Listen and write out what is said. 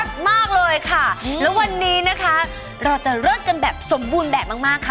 มากเลยค่ะแล้ววันนี้นะคะเราจะเลิกกันแบบสมบูรณ์แบบมากมากค่ะ